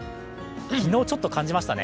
昨日、ちょっと感じましたね。